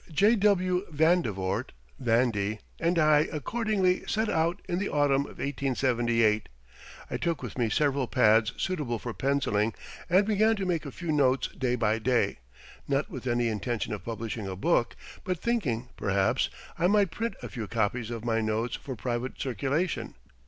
J.W. Vandevort ("Vandy") and I accordingly set out in the autumn of 1878. I took with me several pads suitable for penciling and began to make a few notes day by day, not with any intention of publishing a book; but thinking, perhaps, I might print a few copies of my notes for private circulation.